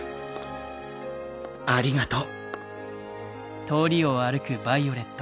ありがとう。